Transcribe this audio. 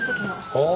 ああ。